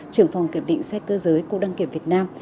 trưởng phòng kiểm định xe cơ giới cô đăng kiểm việt nam